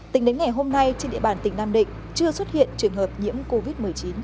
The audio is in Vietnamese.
tính đến ngày hôm nay trên địa bàn tỉnh nam định chưa xuất hiện trường hợp nhiễm covid một mươi chín